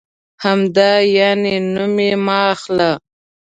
همدا یعنې؟ نوم یې مه اخله.